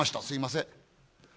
すいません。